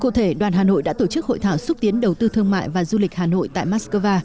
cụ thể đoàn hà nội đã tổ chức hội thảo xúc tiến đầu tư thương mại và du lịch hà nội tại moscow